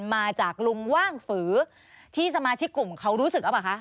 มาจากลุงว่างฝือที่สมาชิกกลุ่มเขารู้สึกหรือเปล่าคะ